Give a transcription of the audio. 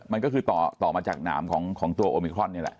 มันก็คือต่อมาจากหนามของตัวโอมิครอนนี่แหละ